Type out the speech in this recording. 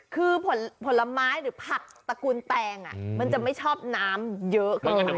คือผลไม้หรือผักตระกูลแตงมันจะไม่ชอบน้ำเยอะเกินไป